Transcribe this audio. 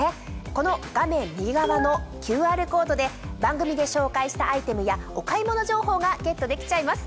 この画面右側のＱＲコードで番組で紹介したアイテムやお買い物情報がゲットできちゃいます。